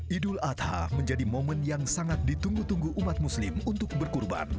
idul adha menjadi momen yang sangat ditunggu tunggu umat muslim untuk berkurban